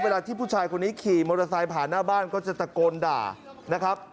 ที่ผู้ชายคนนี้ขี่มอเตอร์ไซค์ผ่านหน้าบ้านก็จะตะโกนด่านะครับ